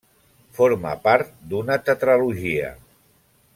Forma part d'una tetralogia.